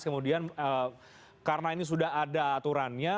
kemudian karena ini sudah ada aturannya